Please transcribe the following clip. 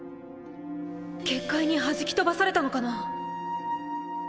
結界に弾き飛ばされたのかな。